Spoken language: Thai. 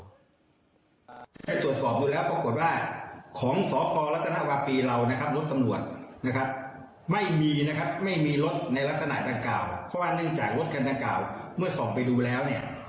ของสพรัฐนาวาปีเรานะครับรถตำรวจนะครับ